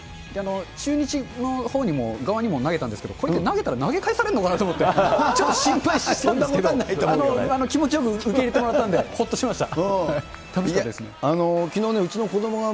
中日の側にも投げたんですけど、これって投げたら投げ返されるのかなって、心配したんですけれども、気持ちよく受け入れてもらったんで、ほっとしました。